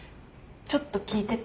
ちょっと聞いてて。